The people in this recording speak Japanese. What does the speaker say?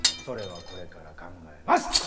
それはこれから考えます！